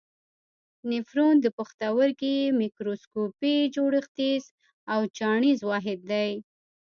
نفرون د پښتورګي میکروسکوپي جوړښتیز او چاڼیز واحد دی.